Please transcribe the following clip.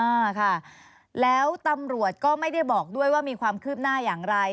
อ่าค่ะแล้วตำรวจก็ไม่ได้บอกด้วยว่ามีความคืบหน้าอย่างไร